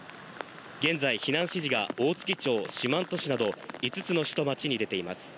現在、避難指示が大月町、四万十市など５つの市と町に出ています。